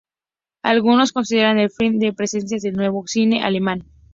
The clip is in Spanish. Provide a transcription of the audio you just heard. Algunos consideran el film de presentación del Nuevo Cine Alemán.